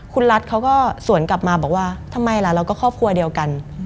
คุณรัฐเขาก็สวนกลับมาบอกว่าทำไมล่ะเราก็ครอบครัวเดียวกัน